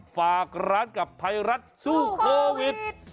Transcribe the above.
ฝากร้านกับไทยรัฐสู้โควิด